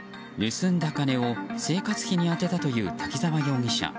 盗んだ金を生活費に充てたという滝沢容疑者。